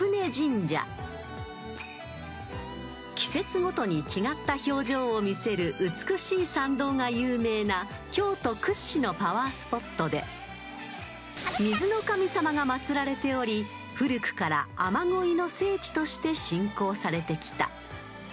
［季節ごとに違った表情を見せる美しい参道が有名な京都屈指のパワースポットで水の神様が祭られており古くから雨乞いの聖地として信仰されてきた］